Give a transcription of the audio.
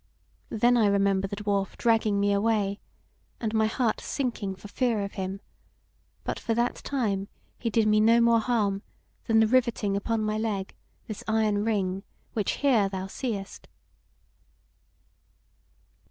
Then I remember the Dwarf dragging me away, and my heart sinking for fear of him: but for that time he did me no more harm than the rivetting upon my leg this iron ring which here thou seest."